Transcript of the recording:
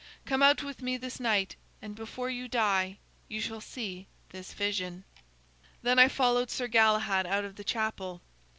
Come out with me this night, and before you die you shall see this vision.' "Then I followed Sir Galahad out of the chapel.